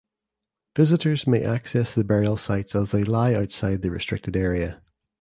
Visitors may access the burial sites as they lie outside the restricted area.